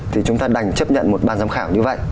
thì chúng ta đành chấp nhận một ban giám khảo như vậy